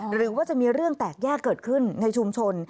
หรือว่าจะมีเรื่องแตกแยกเกิดขึ้นในชุมชน